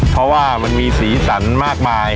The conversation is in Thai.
เพราะว่ามันมีสีสันมากมาย